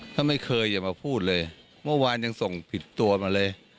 ถ้าไม่เคยอย่ามาพูดเลยเมื่อวานยังส่งผิดตัวมาเลย